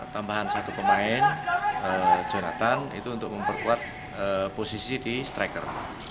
tambahan satu pemain jonathan itu untuk memperkuat posisi di striker